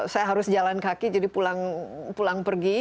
saya harus jalan kaki jadi pulang pergi